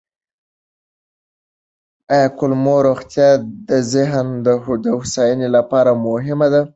آیا کولمو روغتیا د ذهني هوساینې لپاره مهمه ده؟